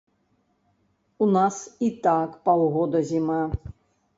У нас і так паўгода зіма.